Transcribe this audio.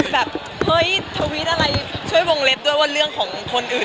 แบบเฮ้ยทวิตอะไรช่วยจงวงเล็กหรือเรื่องของคนอื่น